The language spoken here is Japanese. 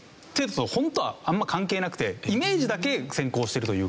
本当はあんま関係なくてイメージだけ先行しているというか。